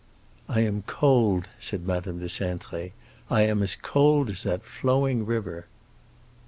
"I am cold," said Madame de Cintré, "I am as cold as that flowing river."